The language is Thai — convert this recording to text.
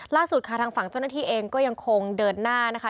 ล่าสุดค่ะทางฝั่งเจ้าหน้าที่เองก็ยังคงเดินหน้านะคะ